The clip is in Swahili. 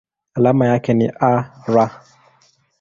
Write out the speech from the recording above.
Alama yake ni Ar.